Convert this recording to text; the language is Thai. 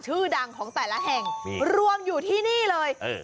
ชื่อดังของแต่ละแห่งรวมอยู่ที่นี่เลยเออ